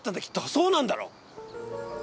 そうなんだろ！？